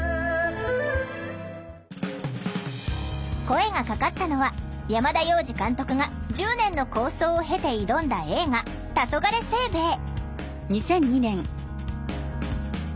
声がかかったのは山田洋次監督が１０年の構想を経て挑んだ映画「たそがれ清兵衛」。